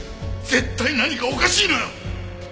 絶対何かおかしいのよ！